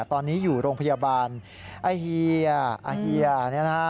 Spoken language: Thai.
ตอนนี้อยู่โรงพยาบาลไอ้เหี้ยนี่นะคะ